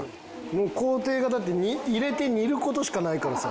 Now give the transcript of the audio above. もう工程がだって入れて煮る事しかないからさ。